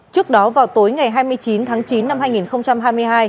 trước đó vào tối ngày hai mươi chín tháng chín năm hai nghìn hai mươi hai